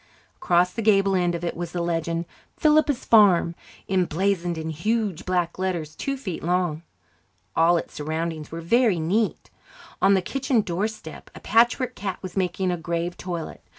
Across the gable end of it was the legend, "Philippa's Farm," emblazoned in huge black letters two feet long. All its surroundings were very neat. On the kitchen doorstep a patchwork cat was making a grave toilet.